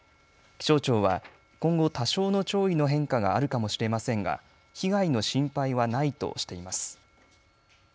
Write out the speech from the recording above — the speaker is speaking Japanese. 気象庁は今後、多少の潮位の変化があるかもしれませんが被害の心配はないとしています。